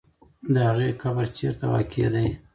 د هغې قبر چېرته واقع دی؟